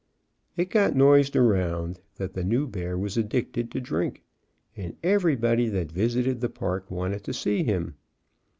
It got noised around that the new bear was addicted to drink, and everybody that visited the park wanted to see him.